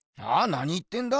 何言ってんだ？